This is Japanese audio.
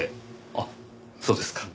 あっそうですか。